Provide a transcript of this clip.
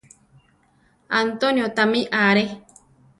Antonio tamí are.